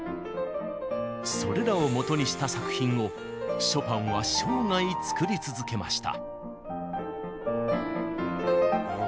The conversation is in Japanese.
それらをもとにした作品をショパンは生涯作り続けました。